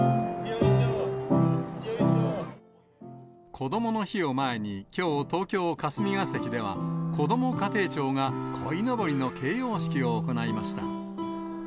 こどもの日を前に、きょう、東京・霞が関では、こども家庭庁がこいのぼりの掲揚式を行いました。